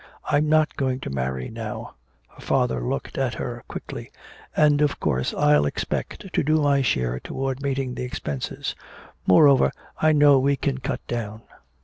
I'm not going to marry now" her father looked at her quickly "and of course I'll expect to do my share toward meeting the expenses. Moreover, I know we can cut down."